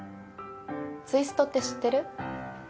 ツイストって知ってる？